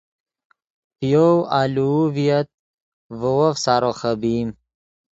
پے یَوْ آلوؤ ڤییت ڤے وف سارو خبئیم